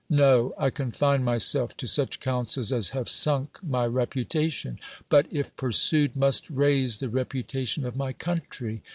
No; I confine myself to such counsels as have sunk my reputation ; but, if pursued, must raise the reputation of my country.